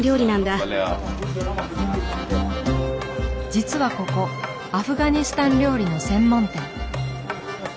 実はここアフガニスタン料理の専門店。